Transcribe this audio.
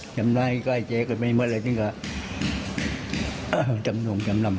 จำดาลใก่เจกจะจำนุ่งแล้วการทำทำ